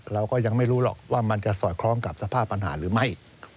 เราก็ยังไม่รู้หรอกว่ามันจะสอดคล้องกับสภาพปัญหาหรือไม่